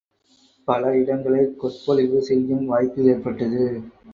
பல இடங்களில் கொற்பொழிவு செய்யும் வாய்ப்பும் ஏற்பட்டது.